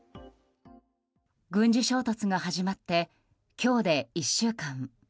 軍事衝突が始まって今日で１週間。